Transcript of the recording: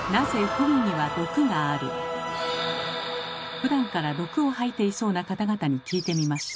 ふだんから毒を吐いていそうな方々に聞いてみました。